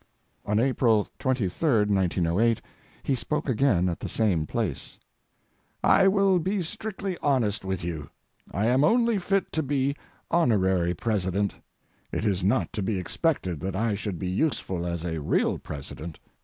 [On April 23, 1908, he spoke again at the same place] I will be strictly honest with you; I am only fit to be honorary president. It is not to be expected that I should be useful as a real president.